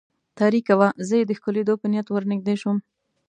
تاریکه وه، زه یې د ښکلېدو په نیت ور نږدې شوم.